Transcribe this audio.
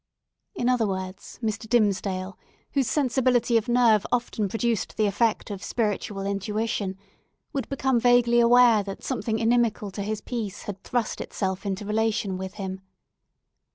In other words, Mr. Dimmesdale, whose sensibility of nerve often produced the effect of spiritual intuition, would become vaguely aware that something inimical to his peace had thrust itself into relation with him.